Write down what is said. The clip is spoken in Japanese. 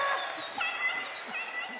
たのしいたのしい！